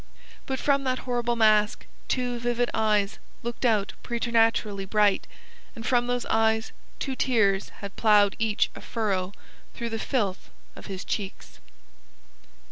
But from that horrible mask two vivid eyes looked out preternaturally bright, and from those eyes two tears had ploughed each a furrow through the filth of his cheeks.